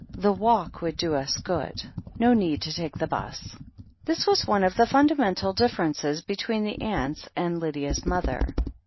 "The walk would do us good. No need to take the 'bus." This was one of the fundamental differences between the aunts and Lydia's mother.